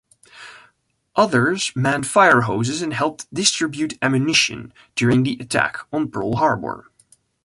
Others manned fire hoses and helped distribute ammunition during the attack on Pearl Harbor.